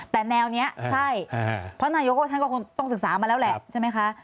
แต่แนวนี้ใช่เพราะนายกท่านก็คงต้องศึกษามาแล้วแหละใช่ไหมคะ